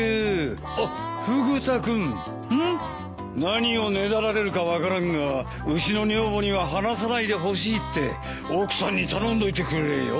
何をねだられるか分からんがうちの女房には話さないでほしいって奥さんに頼んどいてくれよ。